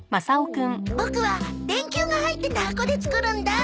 ボクは電球が入ってた箱で作るんだ。